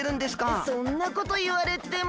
そんなこといわれても。